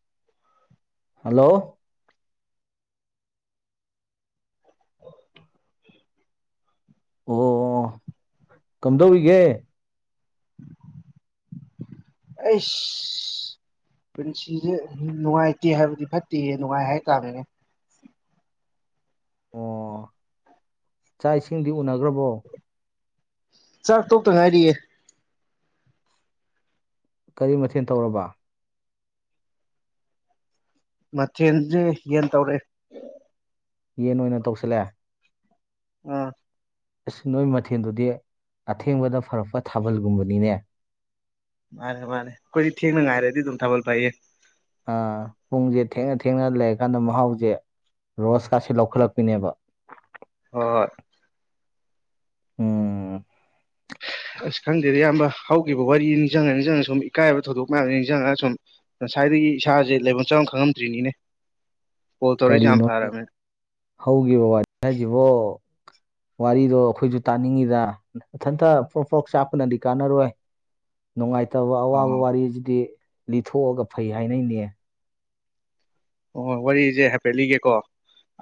[inaudible] Hello [inaudible] ꯑꯣ ꯀꯝꯗꯧꯔꯤꯒꯦ ꯑꯩꯁ ꯄꯨꯟꯁꯤꯖꯦ ꯅꯨꯡꯉꯥꯏꯇꯦ ꯍꯥꯏꯕꯗꯤ ꯐꯠꯇꯦꯌꯦ ꯅꯨꯡꯉꯥꯏ ꯍꯥꯏ ꯇꯥꯥꯅꯤꯅꯦ ꯑꯣ ꯆꯥꯛ ꯏꯁꯤꯡꯗꯤ ꯎꯅꯒꯔꯕꯣ ꯆꯥꯛ ꯇꯣꯛꯇ ꯉꯥꯏꯔꯤꯌꯦ ꯀꯔꯤ ꯃꯊꯦꯜ ꯇꯧꯔꯕ ꯃꯊꯦꯜꯖꯦ ꯌꯦꯟ ꯇꯧꯔꯦ ꯌꯦꯟ ꯑꯣꯏꯅ ꯇꯧꯁꯤꯜꯂꯦ ꯑꯥ ꯑꯁ ꯅꯣꯏ ꯃꯊꯦꯜꯗꯨꯗꯤ ꯑꯊꯦꯡꯕꯗ ꯐꯔꯛꯄ ꯊꯥꯕꯜꯒꯨꯝꯕꯅꯤꯅꯦ ꯃꯥꯅꯦ ꯃꯥꯅꯦ ꯈꯣꯏꯗꯤ ꯊꯦꯡꯅ ꯉꯥꯏꯔꯦꯗꯤ ꯊꯥꯕꯜ ꯐꯩꯌꯦ ꯑꯥ ꯄꯨꯡꯁꯦ ꯊꯦꯡꯅ ꯊꯦꯡꯅ ꯂꯩꯔꯀꯥꯟꯗ ꯃꯍꯥꯎꯁꯦ ꯔꯣꯁꯀꯥꯁꯦ ꯂꯧꯈꯠꯂꯛꯄꯅꯦꯕ ꯍꯣꯏ ꯎꯝ ꯑꯁ ꯈꯪꯗꯦꯗ ꯏꯌꯥꯝꯕ ꯍꯧꯈꯤꯕ ꯋꯥꯔꯤ ꯅꯤꯡꯁꯤꯡꯉ ꯅꯤꯡꯁꯤꯡꯉ ꯁꯨꯝ ꯏꯀꯥꯏꯕ ꯊꯧꯗꯣꯛ ꯃꯌꯥꯝ ꯅꯤꯡꯁꯤꯡꯉꯒ ꯁꯨꯝ ꯉꯁꯥꯏꯗꯒꯤ ꯏꯁꯥꯁꯦ ꯂꯩꯕꯝ ꯆꯥꯕꯝ ꯈꯪꯂꯝꯗ꯭ꯔꯤꯅꯤꯅꯦ ꯀꯔꯤꯅꯣ ꯍꯧꯈꯤꯕ ꯋꯥꯅꯤ ꯍꯥꯏꯁꯤꯕꯣ ꯋꯥꯔꯤꯗꯣ ꯑꯩꯈꯣꯏꯁꯨ ꯇꯥꯅꯤꯡꯉꯤꯗ ꯅꯊꯟꯇ ꯄꯣꯛ ꯄꯣꯛ ꯆꯥꯛꯄꯅꯗꯤ ꯀꯥꯟꯅꯔꯣꯏ ꯅꯨꯡꯉꯥꯏꯇꯕ ꯑꯋꯥꯕ ꯑꯣ ꯋꯥꯔꯤꯁꯤꯗꯤ ꯂꯤꯊꯣꯛꯑꯒ ꯐꯩ ꯍꯥꯏꯅꯩꯅꯦ ꯑꯣ ꯋꯥꯔꯤꯁꯦ ꯍꯥꯏꯐꯦꯠꯂꯤꯒꯦꯀꯣ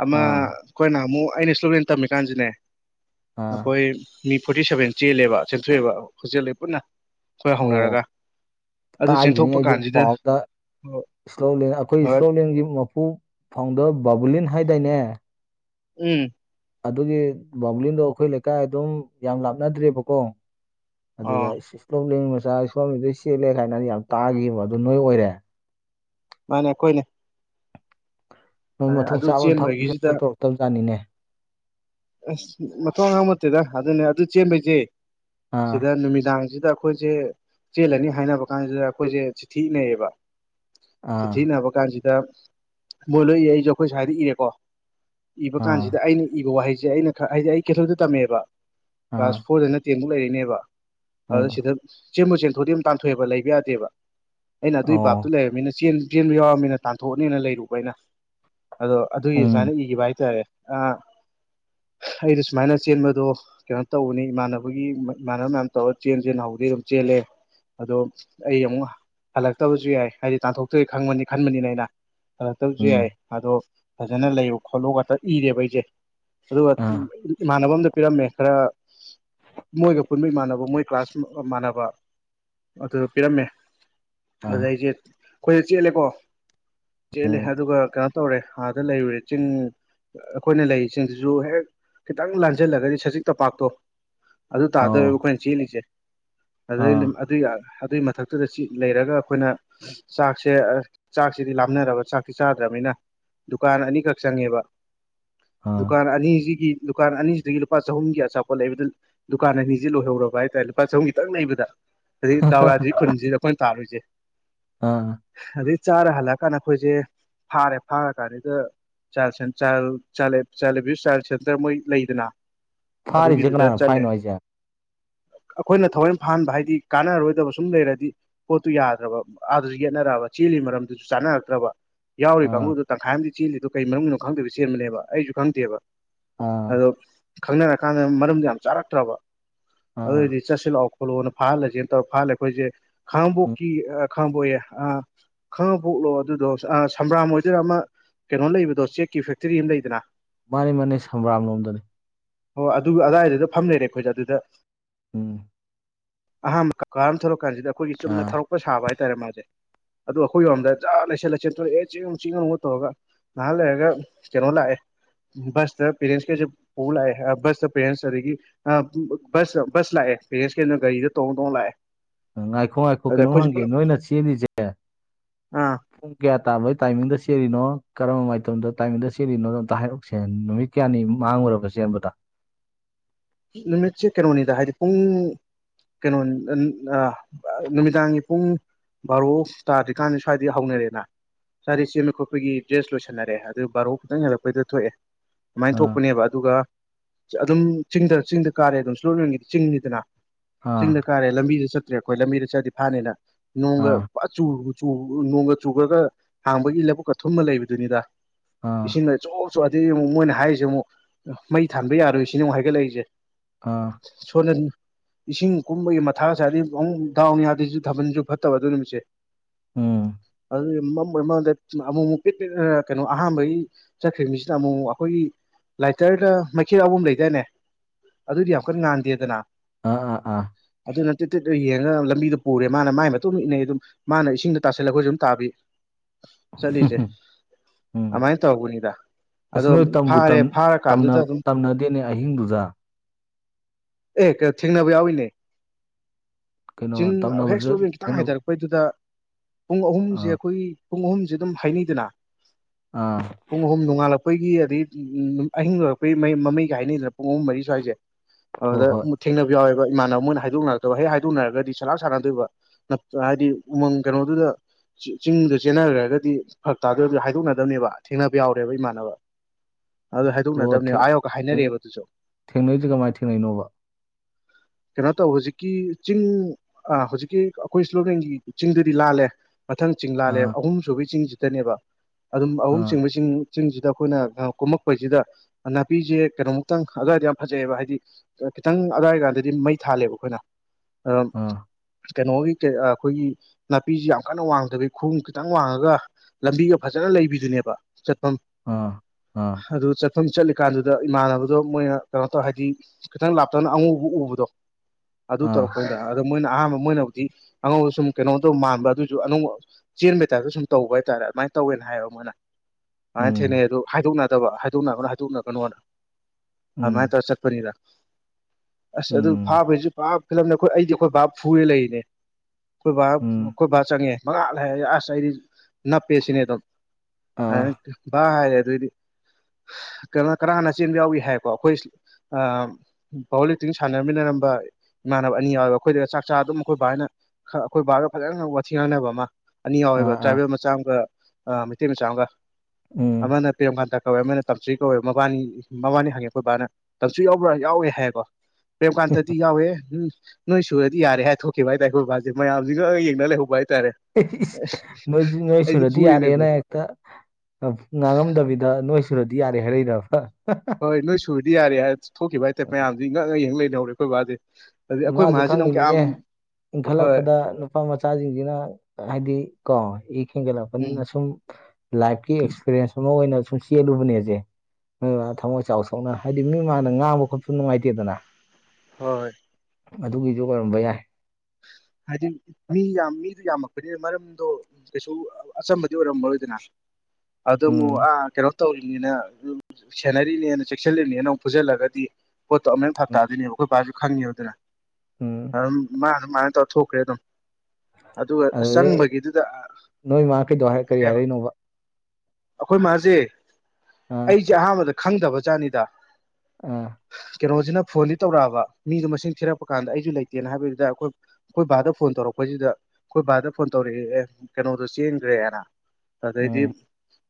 ꯑꯃ ꯑꯥ ꯑꯩꯈꯣꯏꯅ ꯅꯍꯟꯃꯨꯛ ꯑꯩꯅ ꯏꯁꯇꯨꯗꯦꯟ ꯇꯝꯃꯤꯀꯥꯟꯁꯤꯅꯦ ꯑꯥ ꯑꯩꯈꯣꯏ ꯃꯤ ꯐꯣꯔꯇꯤ ꯁꯚꯦꯟ ꯆꯦꯜꯂꯦꯕ ꯆꯦꯟꯊꯣꯛꯑꯦꯕ ꯆꯦꯜꯂꯦ ꯄꯨꯟꯅ ꯑꯩꯈꯣꯏ ꯑꯣ ꯍꯧꯅꯔꯒ ꯑꯗꯨ ꯇꯥꯈꯤꯅꯤ ꯆꯦꯟꯊꯣꯛꯄ ꯑꯩꯁꯨ ꯀꯥꯟꯁꯤꯗ ꯄꯥꯎꯗ ꯏꯁ꯭ꯂꯣꯛꯂꯦꯟ ꯑꯩꯈꯣꯏ ꯍꯣꯏ ꯏꯁ꯭ꯂꯣꯂꯦꯟꯒꯤ ꯃꯄꯨ ꯐꯥꯎꯗꯔ ꯕꯥꯕꯨꯂꯤꯟ ꯍꯥꯏꯗꯥꯏꯅꯦ ꯎꯝ ꯑꯗꯨꯒꯤ ꯕꯥꯎ꯭ꯂꯤꯡꯗꯣ ꯑꯩꯈꯣꯏ ꯂꯩꯀꯥꯏ ꯑꯗꯨꯝ ꯌꯥꯝ ꯂꯥꯞꯅꯗ꯭ꯔꯦꯕꯀꯣ ꯑꯗꯨꯗ ꯑꯣ ꯏꯁꯂꯣꯞ ꯂꯦꯟ ꯃꯆꯥ ꯏꯁꯂꯣꯞꯂꯦꯟꯗꯩ ꯆꯦꯜꯂꯦ ꯀꯥꯏꯅꯗꯤ ꯌꯥꯝ ꯇꯥꯈꯤꯕꯕ ꯑꯗꯨ ꯅꯣꯏ ꯑꯣꯏꯔꯦ ꯃꯥꯅꯦ ꯑꯩꯈꯣꯏꯅꯦ ꯅꯣꯏ ꯃꯊꯣꯡ ꯑꯗꯨ ꯆꯥꯕ ꯊꯛ ꯑꯝꯇ ꯆꯦꯟꯕꯒꯤꯁꯤꯗ ꯇꯧꯔꯛꯇꯕꯖꯥꯅꯤꯅꯦ ꯑꯁ ꯃꯊꯧꯇꯥꯕ ꯈꯪꯕ ꯅꯠꯇꯦꯗ ꯑꯗꯨꯅꯦ ꯑꯗꯨ ꯆꯦꯟꯕꯩꯁꯦ ꯑꯥ ꯁꯤꯗ ꯅꯨꯃꯤꯗꯥꯡꯁꯤꯗ ꯑꯩꯈꯣꯏꯁꯦ ꯆꯦꯜꯂꯅꯤ ꯍꯥꯏꯅꯕ ꯀꯥꯟꯁꯤꯗ ꯑꯩꯈꯣꯏꯁꯦ ꯆꯤꯊꯤ ꯏꯅꯩꯌꯦꯕ ꯑꯥ ꯆꯤꯊꯤ ꯏꯅꯕ ꯀꯥꯟꯁꯤꯗ ꯃꯣꯏ ꯂꯣꯏ ꯏꯅꯩ ꯑꯩꯁꯨ ꯑꯩꯈꯣꯏ ꯁꯥꯏꯗ ꯏꯔꯦꯀꯣ ꯏꯕ ꯑꯥ ꯀꯥꯟꯁꯤꯗ ꯑꯩꯅ ꯏꯕ ꯋꯥꯍꯩꯁꯦ ꯑꯩꯅ ꯈ ꯍꯥꯏꯗꯤ ꯑꯩ ꯀꯩꯊꯣꯛꯗ ꯇꯝꯃꯦꯕ ꯑꯥ ꯀ꯭ꯂꯥꯁ ꯐꯣꯔꯗꯅ ꯇꯦꯟꯐꯨꯛ ꯂꯩꯔꯤꯅꯦꯕ ꯑꯗꯨ ꯎꯝ ꯁꯤꯗ ꯆꯦꯡꯕꯨ ꯆꯦꯟꯊꯣꯛꯗꯤ ꯌꯥꯝ ꯇꯥꯟꯊꯣꯛꯑꯦꯕ ꯂꯩꯕ ꯌꯥꯗꯦꯕ ꯑꯩꯅ ꯑꯗꯨꯏ ꯕꯥꯞꯇꯨ ꯑꯣ ꯂꯩꯔꯅꯤꯅ ꯆꯦꯟ ꯆꯦꯟꯕ ꯌꯥꯎꯔꯝꯃꯤꯅ ꯇꯥꯟꯊꯣꯛꯑꯅꯦꯅ ꯂꯩꯔꯨꯕ ꯑꯩꯅ ꯑꯗꯣ ꯑꯗꯨꯒꯤ ꯎꯝ ꯁꯨꯃꯥꯏꯅ ꯏꯈꯤꯕ ꯍꯥꯏꯇꯥꯔꯦ ꯑꯥ ꯑꯩꯗꯨ ꯁꯨꯃꯥꯏꯅ ꯆꯦꯟꯕꯗꯣ ꯀꯩꯅꯣ ꯇꯧꯕꯅꯤ ꯏꯃꯥꯟꯅꯕꯒꯤ ꯏꯃꯥꯟꯅꯕ ꯃꯌꯥꯝ ꯇꯧꯔꯒ ꯆꯦꯟꯁꯦꯍꯧꯗꯦ ꯑꯗꯨꯝ ꯆꯦꯜꯂꯦ ꯑꯗꯣ ꯑꯩ ꯑꯃꯨꯛ ꯍꯜꯂꯛꯇꯕꯁꯨ ꯌꯥꯏ ꯍꯥꯏꯗꯤ ꯇꯥꯟꯊꯣꯛꯇꯣꯏ ꯈꯪꯕꯅꯤ ꯈꯟꯕꯅꯤꯅ ꯑꯩꯅ ꯍꯜꯂꯛꯇꯕꯁꯨ ꯌꯥꯏ ꯎꯝ ꯑꯗꯣ ꯐꯖꯅ ꯂꯩꯌꯨ ꯈꯣꯠꯂꯨ ꯉꯇ ꯏꯔꯦꯕ ꯑꯩꯁꯦ ꯑꯗꯨꯒ ꯑꯥ ꯏꯃꯥꯟꯅꯕ ꯑꯝꯗ ꯄꯤꯔꯝꯃꯦ ꯈꯔ ꯃꯣꯏꯒ ꯄꯨꯟꯕ ꯏꯃꯥꯟꯅꯕ ꯃꯣꯏ ꯀ꯭ꯂꯥꯁ ꯏꯃꯥꯟꯅꯕ ꯑꯗꯨ ꯄꯤꯔꯝꯃꯦ ꯑꯥ ꯑꯗꯩꯗꯤ ꯑꯩꯁꯦ ꯑꯩꯈꯣꯏꯁꯦ ꯆꯦꯜꯂꯦꯀꯣ ꯆꯦꯜꯂꯦ ꯎꯝ ꯑꯗꯨꯒ ꯀꯩꯅꯣ ꯇꯧꯔꯦ ꯑꯥꯗ ꯂꯩꯔꯨꯔꯦ ꯆꯤꯡ ꯑꯩꯈꯣꯏꯅ ꯂꯩ ꯁꯤꯡꯁꯤꯁꯨ ꯍꯦꯛ ꯈꯤꯇꯪ ꯂꯥꯟꯁꯤꯜꯂꯒꯗꯤ ꯁꯖꯤꯛ ꯇꯝꯄꯥꯛꯇꯣ ꯑꯗꯨ ꯑꯧ ꯇꯥꯗꯧꯔꯤꯕ ꯑꯩꯈꯣꯏꯅ ꯆꯦꯜꯂꯤꯁꯦ ꯑꯗꯨꯗꯩ ꯑꯥ ꯑꯗꯨ ꯑꯗꯨꯏ ꯃꯊꯛꯇꯨꯗ ꯂꯩꯔꯒ ꯑꯩꯈꯣꯏꯅ ꯆꯥꯛꯁꯦ ꯑ ꯆꯥꯛꯁꯤꯗꯤ ꯂꯥꯝꯅꯔꯕ ꯆꯥꯛꯇꯤ ꯆꯥꯗ꯭ꯔꯅꯤꯅ ꯗꯨꯀꯥꯟ ꯑꯅꯤꯈꯛ ꯆꯪꯉꯦꯕ ꯑꯥ ꯗꯨꯀꯥꯟ ꯑꯅꯤꯁꯤꯒꯤ ꯗꯨꯀꯥꯟ ꯑꯅꯤꯁꯤꯗꯒꯤ ꯂꯨꯄꯥ ꯆꯍꯨꯝꯒꯤ ꯑꯆꯥꯄꯠ ꯂꯩꯕꯗ ꯗꯨꯀꯥꯟ ꯑꯅꯤꯁꯦ ꯂꯣꯏꯍꯧꯔꯕ ꯍꯥꯏꯇꯥꯔꯦ ꯂꯨꯄꯥ ꯆꯍꯨꯝꯒꯤꯇꯪ ꯂꯩꯩꯕꯗ ꯑꯗꯩ ꯗꯥꯎꯔꯥꯗ꯭ꯔꯤ ꯈꯨꯟꯁꯤꯗ ꯑꯩꯈꯣꯏꯅ ꯇꯥꯔꯨꯁꯦ ꯑꯥ ꯑꯗꯩ ꯆꯥꯔ ꯍꯜꯂꯛꯀꯥꯟꯗ ꯑꯩꯈꯣꯏꯁꯦ ꯐꯥꯔꯦ ꯐꯥꯔ ꯀꯥꯟꯗꯗ [unintelligible] ꯂꯩꯗꯅꯥ ꯐꯔꯤꯖ ꯒꯅꯥꯅ ꯐꯥꯏꯟ ꯍꯥꯏꯁꯦ ꯑꯩꯈꯣꯏꯅ ꯊꯑꯣꯏꯅ ꯐꯍꯟꯕ ꯍꯥꯏꯗꯤ ꯀꯥꯟꯅꯔꯣꯏꯗꯕ ꯁꯨꯝ ꯂꯩꯔꯗꯤ ꯄꯣꯠꯇꯨ ꯌꯥꯗ꯭ꯔꯕ ꯑꯥꯁꯨ ꯌꯦꯠꯅꯔꯛꯑꯕ ꯆꯦꯜꯂꯤ ꯃꯔꯝꯗꯨꯁꯨ ꯆꯥꯅꯔꯛꯇ꯭ꯔꯕ ꯌꯥꯎꯔꯤ ꯑꯥ ꯀꯥꯡꯕꯨꯗꯨ ꯇꯪꯈꯥꯏ ꯑꯃꯗꯤ ꯆꯦꯜꯂꯤꯗꯣ ꯀꯩ ꯃꯔꯝꯒꯤꯅꯣ ꯈꯪꯗꯦꯕ ꯆꯦꯟꯕꯅꯦꯕ ꯑꯩꯁꯨ ꯈꯪꯗꯦꯕ ꯑꯥ ꯑꯗꯣ ꯈꯪꯅꯔꯀꯥꯟꯗ ꯃꯔꯝꯗꯣ ꯌꯥꯝ ꯆꯥꯔꯛꯇ꯭ꯔꯕ ꯑꯥ ꯑꯗꯨꯑꯣꯏꯗꯤ ꯆꯠꯁꯤꯜꯂꯛꯑꯣ ꯈꯣꯠꯂꯛꯑꯣꯅ ꯐꯥꯍꯜꯂꯁꯦꯅ ꯇꯧꯔ ꯐꯍꯜꯂꯦ ꯑꯩꯈꯣꯏꯁꯦ ꯎꯝ ꯈꯥꯡꯉꯕꯣꯛꯀꯤ ꯈꯥꯡꯉꯕꯣꯛꯑ ꯑ ꯈꯪꯉ ꯄꯣꯛꯂꯣ ꯑꯗꯨꯗꯣ ꯁꯝꯕ꯭ꯔꯥ ꯃꯣꯏꯗꯔ ꯑꯃ ꯀꯩꯅꯣ ꯂꯩꯕꯗꯣ ꯆꯦꯛꯀꯤ ꯐꯦꯛꯇꯔꯤ ꯑꯃ ꯂꯩꯗꯅ ꯃꯥꯅꯤ ꯃꯥꯅꯤ ꯁꯝꯕ꯭ꯔꯥꯝꯂꯣꯝꯗꯅꯤ ꯍꯣ ꯑꯗꯨ ꯑꯗꯥꯋꯥꯏꯗꯨꯗ ꯐꯝ ꯂꯩꯔꯦ ꯑꯩꯈꯣꯏꯗ ꯑꯗꯨꯗ ꯎꯝ ꯑꯍꯥꯟꯕ ꯀꯀꯥ ꯑꯃ ꯊꯂꯛꯀꯥꯟꯁꯤꯗ ꯑꯩꯈꯣꯏꯒꯤ ꯆꯨꯝꯅ ꯑꯥ ꯊꯧꯔꯛꯄ ꯁꯥꯕ ꯍꯥꯏꯇꯥꯔꯦ ꯃꯥꯁꯦ ꯑꯗ ꯑꯩꯈꯣꯏ [unintelligible] ꯖꯥꯞ ꯂꯩꯁꯤꯟꯂꯥ ꯆꯦꯟꯊꯣꯛꯔꯀꯥ ꯇꯧꯔꯑ ꯑꯦ ꯆꯦꯡꯅꯨꯡ ꯆꯦꯡꯅꯨꯒ ꯇꯧꯔꯒ ꯅꯍꯥꯟ ꯂꯩꯔꯒ ꯀꯩꯅꯣ ꯂꯥꯛꯑꯦ ꯕꯁ ꯇꯥ ꯄꯦꯔꯦꯟꯁ ꯀꯥꯁꯦ ꯄꯨꯂꯛꯑ [unintelligible] ꯄꯦꯔꯦꯟꯁ ꯆꯔꯦꯒꯤ ꯑ ꯕꯁ ꯕꯁ ꯂꯥꯛꯑꯦ ꯄꯦꯔꯦꯟꯁ ꯀꯩꯅꯩꯅꯣ ꯒꯥꯔꯤꯗ ꯇꯣꯡ ꯇꯣꯡꯉ ꯂꯥꯛꯑꯦ ꯉꯥꯏꯈꯣ ꯉꯥꯏꯈꯣ ꯑꯗ ꯀꯩꯅꯣꯝ ꯑꯩꯈꯣꯏꯁꯦ ꯍꯪꯒꯦ ꯄꯨꯂꯞ ꯅꯣꯏꯅ ꯆꯦꯜꯂꯤꯁꯦ ꯑꯥ ꯄꯨꯡ ꯀꯌꯥ ꯇꯥꯕꯒꯤ ꯇꯥꯏꯃꯤꯡꯗ ꯆꯦꯠꯜꯂꯤꯅꯣ ꯀꯔꯝꯕ ꯃꯇꯝꯗ ꯇꯥꯏꯃꯤꯡꯗ ꯆꯦꯜꯂꯤꯅꯣ ꯑꯝꯇ ꯍꯥꯏꯔꯛꯁꯦ ꯅꯨꯃꯤ ꯀꯌꯥꯅꯤ ꯃꯥꯡꯉꯨꯔꯕ ꯆꯦꯟꯕꯗ ꯅꯨꯃꯤꯠꯁꯦ ꯀꯩꯅꯣꯅꯤꯗ ꯍꯥꯏꯗꯤ ꯄꯨꯡ ꯀꯩꯅꯣ ꯅꯨꯃꯤꯗꯥꯡꯒꯤ ꯄꯨꯡ ꯕꯥꯔꯣ ꯇꯥꯗ꯭ꯔꯤꯀꯥꯟꯗ ꯁ꯭ꯋꯥꯏꯗꯒꯤ ꯍꯧꯅꯔꯦꯅ ꯁꯥꯔꯤ ꯆꯦꯅꯣꯠꯄꯣꯏꯒꯤ ꯗ꯭ꯔꯦꯁ ꯂꯣꯏꯁꯟꯅꯔꯦ ꯑꯗꯨ ꯕꯥꯔꯣ ꯈꯛꯇꯪ ꯍꯦꯜꯂꯛꯄꯗ ꯊꯣꯛꯑꯦ ꯑꯗꯨꯃꯥꯏꯅ ꯑꯥ ꯊꯣꯛꯄꯅꯦꯕ ꯑꯗꯨꯒ ꯑꯗꯨꯝ ꯆꯤꯡꯗ ꯆꯤꯡꯗ ꯀꯥꯔꯦ ꯑꯗꯨꯝ ꯁ꯭ꯂꯣ ꯑꯣꯏꯅꯉꯩꯗꯤ ꯆꯤꯡꯅꯤꯗꯅ ꯑꯥ ꯆꯤꯡꯗ ꯀꯥꯔꯦ ꯂꯝꯕꯤꯗ ꯆꯠꯇ꯭ꯔꯦ ꯑꯩꯈꯣꯏ ꯂꯝꯕꯤꯗ ꯆꯠꯗꯤ ꯐꯥꯅꯤꯅ ꯅꯣꯡꯒ ꯑꯥ [unintelligible] ꯅꯣꯡꯒ ꯆꯨꯈ꯭ꯔꯒ ꯍꯥꯡꯕꯒꯤ ꯂꯕꯨꯨꯛꯀ ꯊꯨꯝꯃ ꯂꯩꯕꯗꯨꯅꯤꯗ ꯑꯥ ꯏꯁꯤꯡꯗ ꯆꯣꯆꯣ ꯑꯗꯒꯤ ꯑꯃꯨꯛ ꯃꯣꯏꯅ ꯍꯥꯏꯔꯤꯁꯦ ꯑꯃꯨꯛ ꯃꯩ ꯊꯥꯟꯕ ꯌꯥꯔꯣꯏ ꯁꯤꯅꯤ ꯑꯃꯨꯛ ꯍꯥꯏꯒꯠꯂꯛꯏꯁꯦ ꯑꯥ ꯁꯣꯟꯅ ꯏꯁꯤꯡ ꯀꯨꯝꯕꯒꯤ ꯃꯊꯥ ꯁꯗꯤ ꯑꯃꯨ ꯗꯥꯎꯟ ꯌꯥꯗ꯭ꯔꯁꯨ ꯊꯥꯕꯜꯁꯨ ꯐꯠꯇꯕ ꯑꯗꯨ ꯅꯨꯃꯤꯠꯁꯦ ꯎꯝ [unintelligible] ꯄꯤꯛ ꯀꯩꯅꯣ ꯑꯍꯥꯟꯕꯒꯤ ꯆꯠꯈ꯭ꯔꯤꯕꯅꯤꯁꯤꯅ ꯑꯃꯨꯛ ꯑꯩꯈꯣꯏꯒꯤ ꯂꯥꯏꯇꯔꯗ ꯃꯩꯈꯦꯜ ꯑꯍꯨꯝ ꯂꯩꯗꯥꯅꯦ ꯑꯗꯨꯗꯤ ꯌꯥꯝ ꯀꯟꯅ ꯉꯥꯟꯗꯦꯗꯅ ꯑꯥ ꯑꯥ ꯑꯥ ꯑꯗꯨꯅꯠꯇꯦ ꯇꯦꯠ ꯌꯦꯡꯉꯒ ꯂꯝꯕꯤꯗꯣ ꯄꯨꯔꯦ ꯃꯥꯅ ꯃꯥꯏ ꯃꯇꯨꯡ ꯏꯠꯅꯩ ꯑꯗꯨꯝ ꯃꯥꯅ ꯏꯁꯤꯡꯗ ꯇꯁꯤꯜꯂ ꯑꯩꯈꯣꯏꯁꯨ ꯑꯗꯨꯝ ꯇꯥꯕꯤ ꯆꯠꯂꯤꯁꯦ ꯎꯝ ꯑꯗꯨꯃꯥꯏꯅ ꯇꯧꯕꯅꯤꯗ ꯑꯁ ꯑꯗꯣ ꯅꯣꯏ ꯇꯝꯕꯨ ꯐꯥꯔꯦ ꯇꯝ ꯐꯥꯔ ꯇꯝꯅ ꯀꯥꯟꯗꯨꯗ ꯑꯗꯨꯝ ꯇꯝꯅꯗꯦꯅꯦ ꯑꯍꯤꯡꯗꯨꯗ ꯑꯦ ꯀ ꯊꯦꯡꯅꯕ ꯌꯥꯎꯏꯅꯦ ꯀꯩꯅꯣ ꯆꯤꯡ ꯍꯦꯛ ꯇꯝꯅꯕꯁꯨ [unintelligible] ꯊꯦꯡꯅꯕ ꯑꯩꯈꯣꯏꯗꯨꯗ ꯄꯨꯡ ꯑꯍꯨꯝꯁꯦ ꯑꯥ ꯑꯩꯈꯣꯏ ꯄꯨꯡ ꯑꯍꯨꯝꯁꯦ ꯑꯗꯨꯝ ꯍꯥꯏꯅꯩꯗꯅ ꯑꯥ ꯄꯨꯡ ꯑꯍꯨꯝ ꯅꯣꯡꯉꯥꯜꯂꯛꯄꯒꯤ ꯑꯗꯩ ꯑꯍꯤꯡ ꯂꯣꯏꯔꯛꯄꯒꯤ ꯃꯃꯩꯒ ꯍꯥꯏꯅꯤꯗꯅ ꯄꯨꯡ ꯑꯍꯨꯝ ꯃꯔꯤ ꯁ꯭ꯋꯥꯏꯁꯦ [inaudible] ꯑꯗꯨꯗ ꯊꯦꯡꯅꯕ ꯌꯥꯎꯋꯕ ꯏꯃꯥꯟꯅꯕ ꯃꯣꯏꯅ ꯍꯥꯏꯗꯣꯛꯅꯔꯛꯇꯕ ꯍ ꯍꯥꯏ ꯑꯗꯨꯅꯔꯒꯗꯤ ꯁꯂꯥꯥꯛ ꯁꯥꯟꯅꯗꯣꯏꯕ ꯍꯥꯏꯗꯤ ꯎꯃꯪ ꯀꯩꯅꯣꯗꯨꯗ ꯆꯤꯡꯗ ꯆꯦꯟꯅꯈ꯭ꯔꯒꯗꯤ ꯐꯛ ꯇꯥꯗꯣꯏꯗꯨ ꯍꯥꯏꯗꯣꯛꯅꯗꯕꯅꯦꯕ ꯊꯦꯡꯅꯕ ꯌꯥꯎꯔꯦꯕ ꯏꯃꯥꯟꯅꯕ [inaudible] ꯑꯗꯨ ꯑꯣ ꯍꯥꯏꯗꯣꯛꯅꯗꯕꯅꯦ ꯊꯦꯡ ꯑꯥꯌꯧꯒ ꯍꯥꯏꯅꯔꯛꯑꯦꯕ ꯑꯗꯨꯁꯨ ꯊꯦꯡꯅꯩꯁꯦ ꯀꯃꯥꯏꯅ ꯊꯦꯡꯅꯩꯅꯣꯕ ꯀꯩꯅꯣ ꯇꯧ ꯍꯧꯖꯤꯛꯀꯤ ꯆꯤꯡ ꯍꯧꯖꯤꯛꯀꯤ ꯑꯩꯈꯣꯏ ꯏꯁꯂꯣꯞꯂꯦꯟꯒꯤ ꯆꯤꯡꯗꯨꯗꯤ ꯂꯥꯜꯂꯦ꯫ ꯃꯊꯪ ꯆꯤꯡ ꯂꯥꯜꯂꯦꯕ ꯑꯥ ꯑꯍꯨꯝꯁꯨꯨꯕꯒꯤ ꯆꯤꯡꯁꯤꯗꯅꯦꯕ ꯑꯗꯨꯝ ꯑꯍꯨꯝ ꯑꯥ ꯆꯤꯡꯕ ꯆꯤꯡ ꯁꯤꯡꯁꯤꯗ ꯑꯩꯈꯣꯏꯅ ꯀꯨꯝꯃꯛꯄꯁꯤꯗ ꯅꯥꯄꯤꯁꯦ ꯀꯩꯅꯣꯃꯨꯛꯇꯪ ꯑꯗꯨꯋꯥꯗꯤ ꯌꯥꯝ ꯐꯖꯩꯑꯕ ꯍꯥꯏꯗꯤ ꯈꯤꯇꯪ ꯑꯗꯥꯏ ꯀꯥꯟꯗꯗꯤ ꯃꯩ ꯊꯥꯜꯂꯦꯕ ꯑꯩꯈꯣꯏꯅ ꯑꯣ ꯑꯥ ꯀꯩꯅꯣꯒꯤ ꯑꯩꯈꯣꯏꯒꯤ ꯅꯥꯄꯤꯁꯤ ꯌꯥꯝ ꯀꯟꯅ ꯋꯥꯡꯗꯕꯒꯤ ꯈꯣꯡ ꯈꯤꯇꯪ ꯋꯥꯡꯉꯒ ꯂꯝꯕꯤꯒ ꯐꯖꯅ ꯂꯩꯕꯤꯗꯨꯅꯦꯕ ꯆꯠꯐꯝ ꯑꯥ ꯑꯥ ꯑꯗꯨ ꯃꯐꯝ ꯆꯠꯂꯤꯀꯥꯟꯗꯨꯗ ꯏꯃꯥꯟꯅꯕꯗꯣ ꯃꯣꯏꯅ ꯀꯩꯅꯣ ꯇꯧ ꯍꯥꯏꯗꯤ ꯈꯤꯇꯪ ꯂꯥꯞꯇꯅ ꯑꯉꯧꯕ ꯎꯕꯗꯣ ꯑꯗꯨ ꯇꯧꯔꯛꯄꯥꯗ ꯑꯗꯣ ꯃꯣꯏꯅ ꯑꯍꯥꯟꯕ ꯃꯣꯏꯅꯕꯨꯗꯤ ꯑꯉꯧꯕ ꯁꯨꯝ ꯀꯩꯅꯣ ꯇꯧ ꯃꯥꯟꯕ ꯑꯗꯨꯁꯨ ꯑꯅꯧꯕ ꯆꯦꯟꯕ ꯍꯥꯏꯞꯇꯁꯨ ꯁꯨꯝ ꯇꯧꯕ ꯍꯥꯏꯇꯥꯔꯦ ꯑꯗꯨꯃꯥꯏꯅ ꯇꯧꯋꯦ ꯍꯥꯏꯌꯣ ꯃꯣꯏꯅ꯫ ꯊꯦꯡꯅꯩ ꯑꯗꯨ ꯍꯥꯏꯗꯣꯛꯅꯗꯕ ꯍꯥꯏꯗꯣꯛꯅꯕꯅ ꯍꯥꯏꯗꯣꯛꯅꯒꯅꯣꯅ ꯑꯗꯨꯃꯥꯏꯅ ꯇꯧꯔ ꯆꯠꯄꯅꯤꯗ ꯑꯁ ꯑꯗꯨ ꯐꯥꯕꯩꯁꯨ ꯕꯥꯞ ꯐꯤꯂꯝꯅꯦ ꯑꯩꯈꯣꯏ ꯑꯩꯗꯤ ꯑꯩꯈꯣꯏ ꯕꯥꯞ ꯐꯨꯨꯔꯦ ꯂꯩꯔꯤꯅꯦ ꯑꯩꯈꯣꯏ ꯕꯥ ꯑꯩꯈꯣꯏ ꯕꯥ ꯆꯪꯉꯦ ꯃꯉꯥꯜ ꯍꯥꯏꯔꯦ ꯑꯁ ꯑꯩꯗꯤ ꯅꯞꯄꯦꯁꯤꯅꯦ ꯑꯗꯨꯝ ꯍꯥꯏ ꯚ ꯍꯥꯏꯔꯦ ꯑꯗꯩꯗꯤ [inaudible] ꯀꯩꯅꯣ ꯀꯅꯥ ꯀꯅꯥ ꯍ ꯆꯦꯟꯕ ꯌꯥꯎꯏ ꯍꯥꯏꯀꯣ ꯑꯩꯈꯣꯏ ꯄꯋꯥꯔ ꯂꯤꯐꯇꯤꯡ ꯁꯥꯟꯅꯃꯤꯟꯅꯔꯝꯕ ꯏꯃꯥꯟꯅꯕ ꯑꯅꯤ ꯌꯥꯎꯋꯕ ꯑꯩꯈꯣꯏꯗꯒ ꯆꯥꯛ ꯆꯥ ꯑꯗꯨꯝ ꯑꯩꯈꯣꯏ ꯕꯥꯏꯅ ꯈ ꯑꯩꯈꯣꯏ ꯕꯥꯏꯔꯒ ꯐꯖꯅ ꯋꯥꯊꯤ ꯉꯥꯡꯅꯕ ꯑꯃ ꯑꯅꯤ ꯌꯥꯎꯋꯦꯕ ꯇ꯭ꯔꯥꯏꯕꯦꯜ ꯃꯆꯥ ꯑꯃꯒ ꯃꯩꯇꯩ ꯃꯆꯥ ꯑꯃꯒ ꯑꯃꯅ ꯄ꯭ꯔꯦꯝꯀꯥꯟꯇ ꯀꯧꯋꯦ ꯑꯃꯅ ꯇꯝꯆꯔꯤ ꯀꯧꯋꯦ ꯃꯕꯥꯅꯤ ꯃꯕꯥꯅꯤ ꯍꯪꯉꯦ ꯑꯩꯈꯣꯏꯕꯥꯅ ꯇꯞꯁꯤꯔ ꯌꯥꯎꯕ꯭ꯔꯥ ꯌꯥꯎꯋꯦ ꯍꯥꯏꯀꯣ ꯄ꯭ꯔꯦꯝꯀꯥꯟꯇꯗꯤ ꯌꯥꯎꯋꯦ ꯎꯝ ꯅꯣꯏ ꯁꯨꯔꯗꯤ ꯌꯥꯔꯦ ꯍꯥꯏꯊꯣꯛꯈꯤꯕ ꯍꯥꯏꯇꯥꯔꯦꯈꯣꯏ ꯕꯥꯁꯦ ꯃꯌꯥꯝꯁꯤꯒ ꯌꯦꯡꯅꯔ ꯂꯩꯍꯧꯕ ꯍꯥꯏꯇꯥꯔꯦ꯫ ꯅꯣꯏꯖꯨ ꯅꯣꯏ ꯑꯩꯗꯤ ꯁꯨꯔꯗꯤ ꯐꯨꯔꯤ ꯂꯩꯕꯅꯦ ꯌꯥꯔꯦꯅ ꯉꯥꯡꯉꯝꯗꯕꯤꯗ ꯅꯣꯏ ꯁꯨꯔꯗꯤ ꯌꯥꯔꯦ ꯍꯥꯏꯔꯩꯔꯕ? ꯍꯣꯏ ꯅꯣꯏ ꯁꯨꯔꯗꯤ ꯌꯥꯔꯦ ꯊꯣꯛꯈꯤꯕ ꯍꯥꯏꯇꯥꯔꯦ ꯃꯌꯥꯝꯖ ꯉꯛꯑ ꯌꯦꯡ ꯂꯩꯅꯍꯧꯔꯦ ꯑꯈꯣꯏ ꯕꯥꯖꯦ ꯫ ꯃꯥꯁꯨ ꯈꯪꯉꯤꯅꯤꯅꯦ ꯍꯣꯏ ꯏꯟꯈꯠꯂꯛꯄꯗ ꯅꯨꯄꯥ ꯃꯆꯥꯁꯤꯡꯁꯤꯅ ꯍꯥꯏꯗꯤ ꯀꯣ ꯏ ꯎꯝ ꯈꯦꯒꯠꯂꯛꯄꯅꯤꯅ ꯁꯨꯝ ꯂꯥꯏꯐꯀꯤ ꯑꯦꯛꯁꯄꯤꯔꯦꯟꯁ ꯑꯃ ꯑꯣꯏꯅ ꯁꯨꯝ ꯆꯦꯜꯂꯨꯕꯅꯦꯖꯦ ꯍꯣꯏ ꯊꯃꯣꯏ ꯆꯥꯎ ꯁꯣꯛꯅ ꯍꯥꯏꯗꯤ ꯃꯤ ꯃꯥꯡꯗ ꯉꯥꯡꯕ ꯈꯣꯠꯄꯗꯨ ꯅꯨꯡꯉꯥꯏꯇꯦꯗꯅ꯫ ꯍꯣꯏ ꯍꯣꯏ ꯑꯗꯨꯒꯤꯗꯨ ꯑꯣꯏꯔꯝꯕ ꯌꯥꯏ꯫ ꯍꯥꯏꯗꯤ ꯃꯤ ꯌꯥꯝ ꯃꯤꯗꯨ ꯌꯥꯝꯃꯛꯄꯅꯤꯅ ꯃꯔꯝꯗꯣ ꯀꯩꯁꯨ ꯑꯆꯝꯕꯗꯤ ꯑꯣꯏꯔꯝꯃꯔꯣꯏꯗꯅ꯫ ꯑꯗꯨ ꯎꯝ ꯑꯃꯨꯛ ꯑꯥ ꯀꯩꯅꯣ ꯇꯧꯔꯤꯅꯤꯅ ꯁꯦꯟꯅꯔꯤꯅꯦꯅ ꯆꯦꯛꯁꯤꯜꯂꯤꯅꯤꯅ ꯅ ꯑꯃꯨꯛ ꯐꯨꯁꯤꯜꯂꯒꯗꯤ ꯄꯣꯠꯇꯣ ꯑꯃꯛꯅ ꯎꯝ ꯐꯔꯛꯇꯥꯗꯣꯏꯕ ꯑꯩꯈꯣꯏꯕꯥꯁꯨ ꯈꯪꯉꯤꯕ ꯑꯗꯨꯅ ꯎꯝ ꯃꯥ ꯃꯥ ꯑꯗꯨꯃꯥꯏꯅꯥ ꯇꯧꯔꯊ ꯊꯣꯛꯈ꯭ꯔꯦ ꯑꯗꯨꯝ ꯑꯗꯨꯒ ꯑꯗꯨꯗꯩ ꯆꯪꯕꯒꯤꯗꯨꯗ ꯅꯣꯏ ꯃꯥ ꯀꯩꯗꯧ ꯍꯥꯏ- ꯀꯔꯤ ꯍꯥꯏꯔꯛꯏꯅꯣꯕ ꯑꯩꯈꯣꯏ ꯃꯥꯁꯦ ꯑꯥ ꯑꯩꯁꯦ ꯑꯍꯥꯟꯕꯗ ꯈꯪꯗꯕ ꯖꯥꯠꯅꯤꯗ ꯑꯥ ꯀꯩꯅꯣꯁꯤꯅ ꯐꯣꯟꯗꯤ ꯇꯧꯔꯛꯑꯕ ꯃꯤꯗꯣ ꯃꯁꯤꯡ ꯊꯤꯔꯛꯄ ꯀꯥꯟꯗ ꯑꯩꯁꯨ ꯂꯩꯇꯦꯅ ꯍꯥꯏꯕꯗꯨꯗ ꯑꯩꯈꯣꯏ ꯑꯩꯈꯣꯏ ꯕꯥꯗ ꯐꯣꯟ ꯇꯧꯔꯛꯄꯁꯤꯗ ꯑꯩꯈꯣꯏ ꯕꯥꯗ ꯐꯣꯟ ꯇꯧꯔꯛꯏ ꯑꯦ ꯀꯩꯅꯣꯗꯣ ꯆꯦꯟꯈ꯭ꯔꯦꯅ ꯑꯗꯩꯗꯤ ꯎꯝ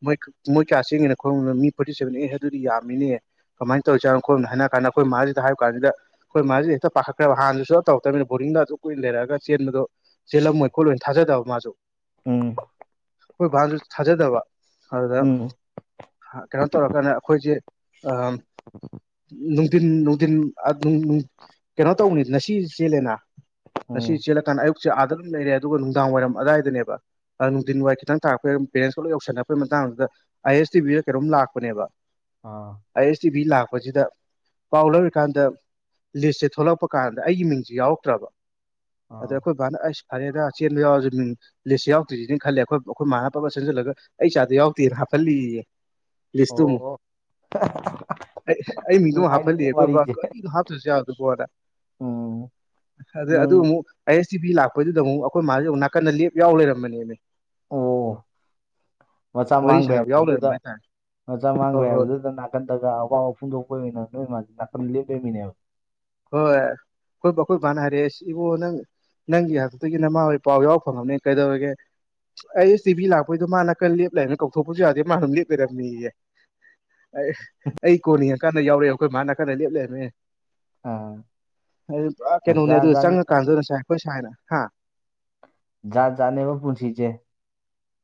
ꯃꯣꯏ ꯃꯣꯏ ꯀꯌꯥ ꯆꯦꯡꯒꯦꯅ ꯈꯔꯅꯣ ꯃꯤ ꯐꯣꯔꯇꯤ ꯁꯚꯦꯟ ꯑꯦ ꯑꯗꯨꯗꯤ ꯌꯥꯝꯃꯤꯅꯦ ꯀꯃꯥꯏꯅ ꯇꯧꯔꯤꯖꯥꯅꯣ ꯍꯥꯏꯔ ꯀꯥꯟꯗ ꯑꯩꯈꯣꯏ ꯃꯥꯁꯤꯗ ꯍꯥꯏꯕ ꯀꯥꯟꯁꯤꯗ ꯑꯩꯈꯣꯏ ꯃꯥꯖꯤꯖꯨ ꯍꯦꯛꯇ ꯄꯥꯈꯠꯈ꯭ꯔꯦꯕ ꯍꯥꯟꯅꯁꯨ ꯁꯨꯇꯧ ꯇꯧꯔꯛꯇꯕꯅꯤ ꯕꯣꯔꯗꯤꯡꯗ ꯑꯗꯨꯝ ꯀꯨꯏꯅ ꯂꯩꯔꯛꯑꯒ ꯆꯦꯟꯕꯗꯣ ꯆꯦꯜꯂꯝꯃꯣꯏ ꯈꯣꯠꯂꯣꯏꯅ ꯊꯥꯖꯗꯕ ꯃꯥꯁꯨ꯫ ꯎꯝ ꯈꯣꯏ ꯕꯥꯁꯨ ꯊꯥꯖꯗꯕ ꯑꯗꯨꯗ ꯎꯝ ꯀꯩꯅꯣ ꯇꯧꯔꯀꯥꯟꯗ ꯑꯩꯈꯣꯏꯖꯦ ꯑ ꯅꯨꯡꯊꯤꯟ ꯅꯨꯡꯊꯤꯟ ꯀꯩꯅꯣ ꯇꯧꯅꯤ ꯉꯁꯤ ꯆꯦꯜꯂꯦꯅ ꯉꯁꯤ ꯎꯝ ꯆꯦꯜꯂꯀꯥꯟꯗ ꯑꯌꯨꯛꯁꯦ ꯑꯥꯗ ꯑꯗꯨꯝ ꯂꯩꯔꯦ ꯑꯗꯨꯒ ꯅꯨꯡꯗꯥꯡ ꯋꯥꯏꯔꯝ ꯑꯋꯥꯏꯗꯅꯦꯕ ꯅꯨꯡꯊꯤꯟ ꯋꯥꯏ ꯈꯤꯇꯪ ꯇꯥꯔꯛꯄ ꯄꯦꯔꯦꯟꯁ ꯄꯨꯂꯞ ꯌꯎꯁꯤꯟꯅꯛꯄꯒꯤ ꯃꯇꯥꯡꯗꯨꯗ ꯑꯥꯏ ꯑꯦꯁ ꯇꯤ ꯚꯤꯗ ꯀꯩꯅꯣꯝ ꯂꯥꯛꯄꯅꯦꯕ ꯑꯥ ꯑꯥꯏ ꯑꯦꯁ ꯇꯤ ꯚꯤ ꯂꯥꯛꯄꯁꯤꯗ ꯄꯥꯎ ꯂꯧꯔꯤꯀꯥꯟꯗ ꯂꯤꯁꯁꯦ ꯊꯣꯛꯂꯛꯄ ꯀꯥꯟꯗ ꯑꯩꯒꯤ ꯃꯤꯡꯁꯦ ꯌꯥꯎꯔꯛꯇ꯭ꯔꯕ ꯑꯗ ꯑꯥ ꯑꯩꯈꯣꯏ ꯕꯥꯅ ꯐꯔꯦꯗ ꯆꯦꯟꯕ ꯌꯥꯎꯔꯁꯨ ꯃꯤꯡ ꯂꯤꯁ ꯌꯥꯎꯗ꯭ꯔꯤꯁꯤꯅꯦ ꯈꯜꯂꯤꯂꯦꯈꯣꯏ ꯑꯩꯈꯣꯏ ꯃꯥꯅ ꯄꯕꯠ ꯆꯦꯟꯖꯜꯂꯒ ꯑꯩ ꯆꯥꯗꫭ ꯌꯥꯎꯗꯦꯅ ꯍꯥꯞꯍꯜꯂꯤꯑꯦ ꯂꯤꯁꯇꯨ ꯑꯣ ꯑꯃꯨꯛ ꯑꯣ ꯑꯩ ꯑꯩ ꯃꯤꯡꯗꯨ ꯑꯃ ꯍꯥꯞꯍꯜꯂꯤ ꯅꯨꯡꯉꯥꯏꯔꯤꯅꯦ ꯑꯩꯈꯣꯏ ꯕꯥ ꯋꯥꯔꯤꯁꯦ ꯍꯞꯇꯔꯁꯨ ꯌꯥꯕꯣꯅ ꯎꯝ ꯑꯗꯨ ꯅꯪ ꯑꯃꯨꯛ ꯑꯥꯏ ꯑꯦꯁ ꯇꯤ ꯚꯤ ꯂꯥꯛꯄꯗꯨꯗ ꯑꯃꯨꯛ ꯑꯩꯈꯣꯏ ꯃꯥꯁꯦ ꯑꯃꯨꯛ ꯅꯥꯀꯟꯅ ꯂꯦꯞ ꯌꯥꯎ ꯂꯩꯔꯝꯕꯅꯦꯃꯦ ꯑꯣ ꯃꯆꯥ ꯋꯥꯔꯤ ꯃꯥꯡꯈ꯭ꯔꯦ ꯁꯥꯟꯅꯕ ꯌꯥꯎ ꯍꯥꯏꯕꯗꯨꯗ ꯂꯩꯔꯝꯕ ꯍꯥꯏꯇꯥꯔꯦ ꯃꯆꯥ ꯍꯣꯏ ꯃꯥꯡꯈ꯭ꯔꯦ ꯍꯣꯏ ꯍꯥꯏꯕꯗꯨꯗ ꯅꯥꯀꯟꯗꯒ ꯑꯋꯥꯕ ꯐꯣꯡꯗꯣꯛꯄꯒꯤ ꯑꯣꯏꯅ ꯅꯣꯏ ꯃꯥꯁꯦ ꯅꯥꯀꯟꯗ ꯂꯦꯞ ꯂꯩꯔꯝꯕꯤꯅꯦꯕꯥ ꯍꯣꯏ ꯑꯩꯈꯣꯏ ꯑꯩꯈꫭꯏ ꯕꯥꯅ ꯍꯔꯛꯑꯥ ꯏꯕꯨꯡꯉꯣꯅꯪ ꯅꯪꯒꯤ ꯍꯥꯛꯇꯛꯇꯒꯤ ꯅꯃꯥ ꯍꯣꯏ ꯄꯥꯎ ꯌꯥꯎꯕ ꯐꯪꯉꯕꯅꯦ ꯀꯩꯗꯧꯔꯒꯦ ꯑꯩ ꯇꯤꯚꯤ ꯂꯥꯛꯄꯩꯗꯣ ꯃꯥꯅ ꯈꯔ ꯂꯦꯞꯂꯦ ꯍꯥꯏꯅ ꯀꯧꯊꯣꯛꯄꯁꯨ ꯌꯥꯗꯦ ꯃꯥ ꯑꯗꯨꯝ ꯂꯦꯞꯄꯤꯔꯝꯃꯤꯑꯦ ꯑꯩ ꯑꯩ ꯀꯣꯟꯅꯤꯡꯉꯀꯥꯟꯗ ꯌꯥꯎꯔꯛꯑꯦ ꯑꯩꯈꯣꯏ ꯃꯥ ꯅꯥꯀꯟꯗ ꯂꯦꯞ ꯂꯩꯔꯝꯃꯦ ꯑꯣ ꯑꯗꯨ ꯄꯨꯔꯥ ꯀꯩꯅꯣꯅꯦ ꯑꯗꯨ ꯆꯪꯉꯀꯥꯟꯗ ꯉꯁꯥꯏ ꯑꯩꯈꯣꯏ ꯁꯥꯏꯅ ꯍꯥ ꯖꯥꯠ ꯖꯥꯠꯅꯦꯕ ꯄꯨꯟꯁꯤꯁꯦ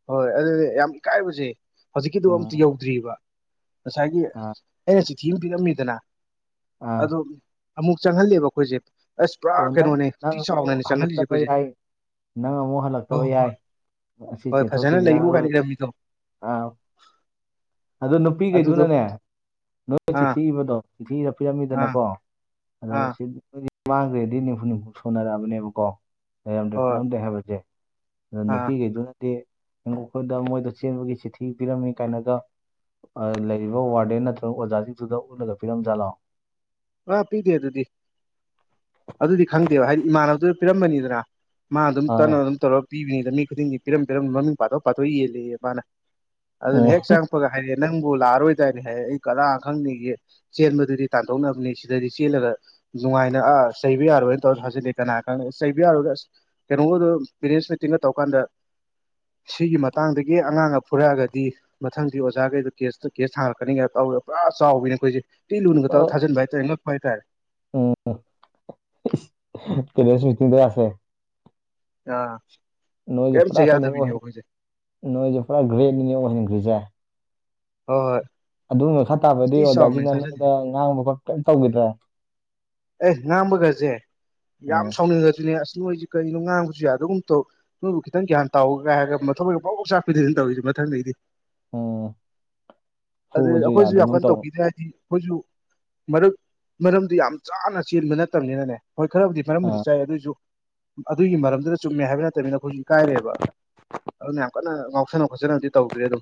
ꯍꯣꯏ ꯑꯗꯨꯗꯤ ꯌꯥꯝ ꯏꯀꯥꯏꯕꯁꯦ ꯍꯧꯖꯤꯛꯀꯤꯗꯨ ꯑꯝꯇ ꯎꯝ ꯌꯧꯗ꯭ꯔꯤꯕ ꯉꯁꯥꯏꯒꯤ ꯑꯥ ꯑꯩꯅ ꯆꯤꯊꯤ ꯑꯃ ꯄꯤꯔꯝꯃꯤꯗꯅ ꯑꯥ ꯑꯗꯣ ꯑꯃꯨꯛ ꯆꯪꯍꯜꯂꯦꯕ ꯑꯩꯈꯣꯏꯁꯦ ꯑꯁ ꯄꯨꯔꯥ ꯑꯣ ꯅꯪ ꯀꯩꯅꯣꯅꯦ ꯅꯪ ꯊꯤ ꯑꯃꯨꯛ ꯆꯥꯎꯅꯅꯦ ꯆꯪꯍꯜꯂꯤꯁꯦ ꯍꯜꯂꯛꯇꯕ ꯑꯩꯈꯣꯏꯁꯦ ꯌꯥꯏ ꯅꯪ ꯑꯃꯨꯛ ꯍꯣꯏ ꯍꯜꯂꯛꯇꯕ ꯍꯣꯏ ꯌꯥꯏ ꯍꯣꯏ ꯑꯁꯤ ꯍꯣꯏ ꯐꯖꯅ ꯆꯦꯟꯊꯣꯛꯄꯤꯁꯤ ꯅꯥ ꯂꯩꯌꯨ ꯑꯔꯣꯏ ꯀꯥꯏꯅ ꯏꯔꯝꯃꯤꯗꯣ ꯑꯥ ꯑꯗꯣ ꯑꯗꯨꯗꯣ ꯅꯨꯄꯤꯈꯩꯗꯨꯅꯅꯦ ꯅꯣꯏ ꯑꯥ ꯆꯤꯊꯤ ꯏꯕꯗꯣ ꯆꯤꯊꯤ ꯏ ꯔꯥ ꯑꯥ ꯄꯤꯔꯝꯃꯤꯗꯅꯀꯣ ꯑꯗ ꯑꯥ ꯁꯤꯗꯤ ꯃꯥꯡꯈ꯭ꯔꯦꯗꯤ ꯅꯤꯝꯐꯨ ꯅꯤꯝꯐꯨ ꯁꯣꯟꯅꯔꯛꯑꯕꯅꯦꯕꯀꯣ ꯂꯩꯔꯝꯗ꯭ꯔꯦ ꯍꯣꯏ ꯈꯣꯠꯂꯝꯗꯦ ꯍꯥꯏꯕꯁꯦ ꯑꯗꯨ ꯑꯥ ꯅꯨꯄꯤꯈꯩꯗꯨꯅ ꯍꯥꯏꯗꯤ ꯃꯣꯏꯗ ꯆꯦꯟꯕꯒꯤ ꯆꯤꯊꯤ ꯄꯤꯔꯝꯃꯤ ꯀꯥꯏꯅꯒ ꯂꯩꯔꯤꯕ ꯋꯥꯔꯗꯦꯟ ꯅꯠꯇ꯭ꯔꯒ ꯑꯣꯖꯥꯁꯤꯡꯗꯨꯗ ꯎꯠꯂꯒ ꯄꯤꯔꯝꯖꯥꯠꯂꯑꯣ ꯑ ꯄꯤꯗꯦ ꯑꯗꯨꯗꯤ ꯑꯗꯨꯗꯤ ꯈꯪꯗꯦꯕ ꯍꯥꯏꯗꯤ ꯏꯃꯥꯟꯅꯕꯗꯨꯅ ꯄꯤꯔꯝꯕꯅꯤꯗꯅ ꯃꯥ ꯑꯗꯨꯝ ꯑ ꯇꯞꯅ ꯑꯗꯨꯝ ꯇꯧꯔꯒ ꯄꯤꯕꯅꯤꯗ ꯃꯤ ꯈꯨꯗꯤꯡꯒꯤ ꯄꯤꯔꯝ ꯄꯤꯔꯝ ꯃꯃꯤꯡ ꯄꯥꯊꯣꯛ ꯄꯥꯊꯣꯛ ꯌꯦꯜꯂꯤꯑ ꯃꯥꯅ ꯑꯗꯨꯅꯦ ꯎꯝ ꯍꯦꯛ ꯆꯪ ꯀꯄꯒ ꯍꯥꯏꯔꯦ ꯅꯪꯕꯨ ꯂꯥꯛꯑꯔꯣꯏꯗꯔꯅꯦ ꯍꯥꯏ ꯑꯩ ꯀꯗꯥ ꯈꯪꯅꯤꯒꯦ ꯆꯦꯟꯕꯗꯨꯗꯤ ꯇꯥꯟꯊꯣꯛꯅꯕꯅꯤ ꯁꯤꯗꯗꯤ ꯆꯦꯜꯂꯒ ꯅꯨꯡꯉꯥꯏꯅ ꯑꯥ ꯆꯩꯕ ꯌꯥꯔꯣꯏꯅ ꯇꯧꯔ ꯊꯥꯖꯤꯜꯂꯤ ꯀꯅꯥ ꯀꯅꯥꯅ ꯆꯩꯕ ꯌꯥꯔꯣꯏꯒ ꯑꯁ ꯀꯩꯅꯣꯒꯗꯨ ꯄꯦꯔꯦꯟꯁ ꯃꯤꯇꯤꯡꯒ ꯇꯧꯔꯀꯥꯟꯗ ꯁꯤꯒꯤ ꯃꯇꯥꯡꯗꯒꯤ ꯑꯉꯥꯡꯅ ꯐꯨꯔꯛꯑꯒꯗꯤ ꯃꯊꯪꯗꯤ ꯑꯣꯖꯥꯈꯩꯗꯣ ꯀꯦꯁ ꯀꯦꯁ ꯊꯥꯡꯔꯛꯀꯅꯤ ꯀꯥꯏ ꯀꯧꯏ ꯄꯨꯔꯥ ꯆꯥꯎꯋꯤꯅꯦ ꯑꯩꯈꯣꯏꯁꯦ ꯇꯤ ꯂꯨꯅꯒ ꯇꯧꯔ ꯑꯣ ꯊꯥꯖꯤꯟꯕ ꯍꯥꯏꯇꯥꯔꯦ ꯉꯞꯄ ꯍꯥꯏꯇꯥꯔꯦ ꯎꯝ ꯀꯗ ꯄꯦꯔꯦꯟꯁ ꯃꯤꯇꯤꯡ ꯂꯥꯛꯈꯔꯦ ꯑꯥ ꯀꯝ ꯆꯩ ꯌꯥꯗꯕꯤꯅꯤꯈꯣꯏꯁꯦ ꯅꯣꯡꯣꯏꯖ ꯄꯨꯔꯥ ꯒꯔ꯭ꯦꯠ ꯅꯤꯅꯦ ꯑꯣꯏꯍꯟ ꯒ꯭ꯔꯤꯖꯥ ꯍꯣꯏ ꯍꯣꯏ ꯑꯗꯨꯒꯤ ꯃꯈꯥ ꯇꯥꯕꯗꯤ ꯊꯤ ꯆꯥꯎꯅꯦ ꯑꯣꯖꯥꯁꯤꯡꯅ ꯊꯥꯖꯤꯜꯂꯤꯁꯦ ꯅꯣꯏꯗ ꯉꯥꯡꯕ ꯈꯣꯠꯄ ꯀꯔꯤꯝ ꯇꯧꯈꯤꯗ꯭ꯔꯦ ꯑꯦ ꯉꯥꯡꯕꯒꯁꯦ ꯌꯥꯝ ꯎꯝ ꯁꯥꯎꯅꯤꯡꯉꯁꯨꯅꯦ ꯑꯁ ꯅꯣꯏꯁꯦ ꯀꯩꯅꯣ ꯉꯥꯡꯕꯁꯨ ꯌꯥꯗꯒꯨꯝ ꯇꯧ ꯅꯣꯏꯕꯨ ꯈꯤꯇꯪ ꯒ꯭ꯌꯥꯟ ꯇꯥꯎꯒ ꯍꯥꯏꯔꯒ ꯃꯊꯃꯣꯏꯒ ꯄꯔꯣꯛ ꯄꯔꯣꯛ ꯆꯥꯛꯄꯤꯗꯨꯅꯦ ꯇꯧꯔꯤꯁꯦ ꯃꯊꯪꯗꯩꯗꯤ ꯑꯣ ꯑꯗꯨꯗ ꯑꯩꯈꯣꯏꯁꯨ ꯌꯥꯝ ꯀꯟꯅ ꯇꯧꯕꯤꯗꯦ ꯍꯥꯏꯗꯤ ꯑꯩꯈꯣꯏꯁꯨ ꯃꯔꯛ ꯃꯔꯝꯗꯨ ꯌꯥꯝ ꯆꯥꯅ ꯆꯦꯟꯕ ꯅꯠꯇꯕꯅꯤꯅꯅꯦ ꯍꯣꯏ ꯈꯔꯕꯨꯗꯤ ꯑ ꯃꯔꯝꯕꯨꯗꯤ ꯆꯥꯏ ꯑꯗꯨꯑꯣꯏꯁꯨ ꯑꯗꯨꯒꯤ ꯃꯔꯝꯗꯨꯗ ꯆꯨꯝꯃꯦ ꯍꯥꯏꯕ ꯅꯠꯇꯕꯅꯤꯅ ꯑꯩꯈꯣꯏꯁꯨ ꯏꯀꯥꯏꯔꯦꯕ ꯑꯗꯨꯅ ꯌꯥꯝ ꯀꯟꯅ ꯉꯥꯎꯁꯅ ꯈꯣꯠꯆꯕꯗꯤ ꯇꯧꯗ꯭ꯔꯦ ꯑꯗꯨꯝ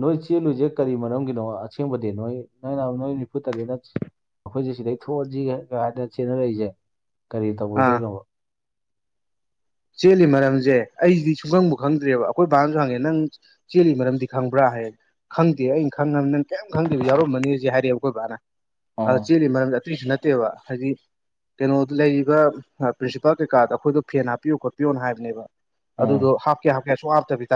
ꯅꯣꯏ ꯆꯦꯜꯂꯨꯏꯁꯦ ꯀꯔꯤ ꯃꯔꯝꯒꯤꯅꯣ ꯑꯁꯦꯡꯕꯗꯤ ꯅꯣꯏ ꯅꯣꯏ ꯅꯍ ꯅꯣꯏ ꯅꯤꯐꯨ ꯇꯔꯦꯠ ꯑꯩꯈꯣꯏꯁꯦ ꯁꯤꯗꯩ ꯊꯣꯛꯑꯟꯁꯤꯒ ꯀ ꯍꯥꯏꯗꯅ ꯆꯦꯟꯅꯔꯛꯏꯁꯦ ꯀꯔꯤ ꯑꯥ ꯇꯧꯒꯗꯣꯏꯅꯣꯕ ꯆꯦꯜꯂꯤ ꯃꯔꯝꯁꯦ ꯑꯩꯁꯤꯗꯤ ꯁꯨꯡꯈꯪꯕꯨ ꯈꯪꯗ꯭ꯔꯦꯕ ꯑꯩꯈꯣꯏ ꯕꯥꯅꯁꯨ ꯍꯪꯉꯦ ꯅꯪ ꯆꯦꯜꯂꯤ ꯃꯔꯝꯗꯤ ꯈꯪꯕ꯭ꯔꯥ ꯍꯥꯏꯌꯦ ꯈꯪꯗꯦ ꯑꯩꯅ ꯈꯪꯉꯕꯅꯤ ꯅꯪ ꯀꯔꯤꯝ ꯈꯪꯗꯦꯕ ꯌꯥꯎꯔꯝꯃꯅꯤꯁꯦ ꯍꯥꯏꯔꯛꯑꯦ ꯑꯩꯈꯣꯏ ꯕꯥꯅ ꯑꯥ ꯑ ꯆꯦꯜꯂꯤ ꯃꯔꯝꯁꯦ ꯁꯨ ꯅꯠꯇꯦꯕ ꯍꯥꯏꯗꯤ ꯀꯩꯅꯣꯗ ꯂꯩꯔꯤꯕ ꯄ꯭ꯔꯤꯟꯁꯤꯄꯥꯜ ꯀꯩꯀꯥꯗ ꯑꯩꯈꯣꯏꯗꯣ ꯐꯦꯟ ꯍꯥꯞ ꯍꯥꯄꯤꯌꯨ ꯈꯣꯠꯄꯤꯌꯣꯅ ꯍꯥꯏꯕꯅꯦꯕ ꯑꯥ ꯑꯗꯨꯗꯣ ꯍꯥꯞꯀꯦ ꯍꯥꯞꯀꯦ ꯁꯨꯛꯍꯥꯞ ꯍꯥꯞꯇꯕꯤꯗ